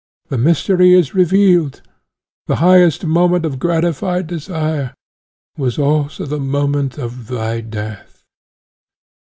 The mystery is revealed; the highest moment of gratified desire was also the moment of thy death."